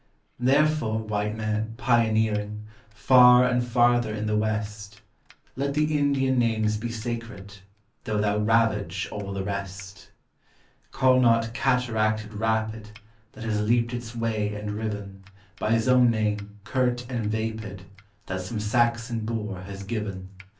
Therefore, white man, pioneering Far and farther in the west, Let the Indian names be sacred, Though thou ravage all the rest. Call not cataracted rapid That has leaped its way and riven, By his own name, curt and vapid, That some Saxon boor has given !